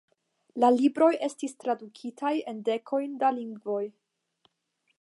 La libroj estis tradukitaj en dekojn da lingvoj.